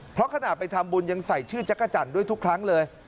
เพราะขณะไปทำบุญยังใส่ชื่อจักรจันทร์ด้วยทุกครั้งเลย